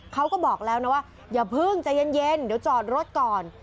เขาบอกแล้วนะว่าอย่าเพิ่งใจเย็นเดี๋ยวจอดรถก่อน